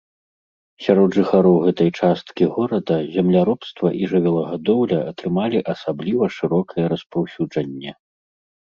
Сярод жыхароў гэтай часткі горада земляробства і жывёлагадоўля атрымалі асабліва шырокае распаўсюджанне.